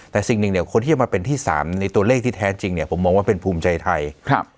แต่สิ่งหนึ่งเนี่ยคนที่จะมาเป็นที่สามในตัวเลขที่แท้จริงเนี่ยผมมองว่าเป็นภูมิใจไทยครับ